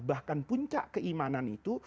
bahkan puncak keimanan itu